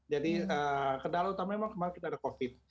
kendala utama memang kemarin kita ada covid